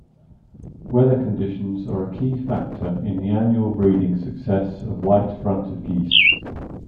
Weather conditions are a key factor in the annual breeding success of white-fronted geese.